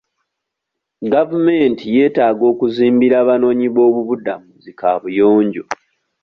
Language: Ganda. Gavumenti yetaaga okuzimbira abanoonyi b'obubudamu zi kaabuyonjo.